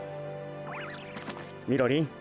みろりん。